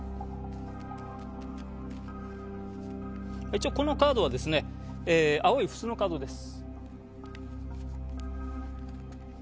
一応このカードは、青い普通のカードです。